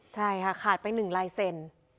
ใช่ค่ะขาดไปหนึ่งลายเซ็น